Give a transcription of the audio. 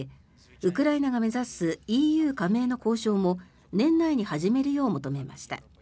ウクライナが目指すＥＵ加盟の交渉も年内に始めるよう求めました。